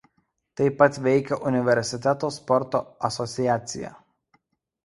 Taip pat veikia universiteto sporto asociacija.